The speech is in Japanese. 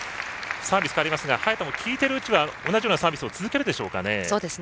サービス変わりますが早田はきいているうちは同じようなサービスを続けるでしょうかね。